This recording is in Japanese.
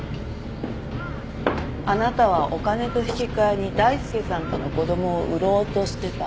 あなたはお金と引き換えに大輔さんとの子供を売ろうとしてた。